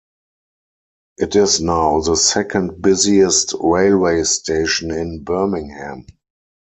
It is now the second busiest railway station in Birmingham.